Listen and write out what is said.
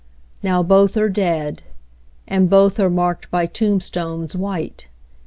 Now both are dead, And both are marked by tombstones white.